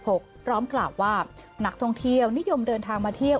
พร้อมกล่าวว่านักท่องเที่ยวนิยมเดินทางมาเที่ยว